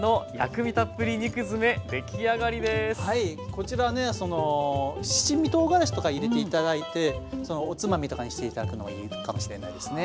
こちらねその七味とうがらしとか入れて頂いておつまみとかにして頂くのもいいかもしれないですね。